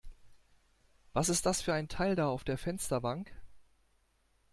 Was ist das für ein Teil da auf der Fensterbank?